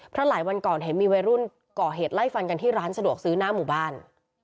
เพราะหลายวันก่อนเห็นมีวัยรุ่นก่อเหตุไล่ฟันกันที่ร้านสะดวกซื้อหน้าหมู่บ้าน